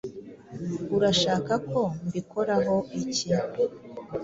Urashaka ko mbikoraho iki?